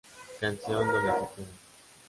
Canción: "Donde Se Queda".